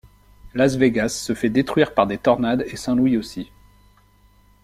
Las Vegas se fait détruire par des tornades et St Louis aussi.